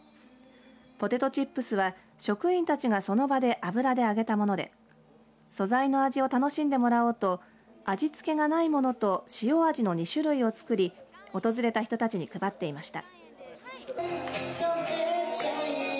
ポテトチップスは職員たちがその場で油で揚げたもので素材の味を楽しんでもらおうと味付けがないものと塩味の２種類を作り訪れた人たちに配っていました。